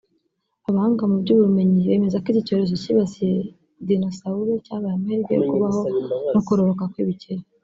Abahanga mu by’ubumenyi bemeza ko iki cyorezo cyibasiye Dinosaure cyabaye amahirwe yo kubaho no kororoka kw’ibikeri